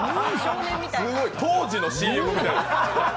当時のＣＭみたい。